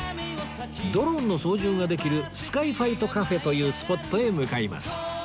ドローンの操縦ができるスカイファイトカフェというスポットへ向かいます